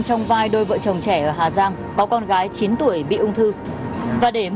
uống cái này